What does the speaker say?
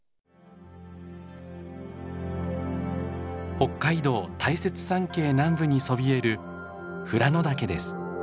北海道大雪山系南部にそびえる富良野岳です。